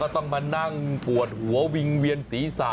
ต้องมานั่งปวดหัววิงเวียนศีรษะ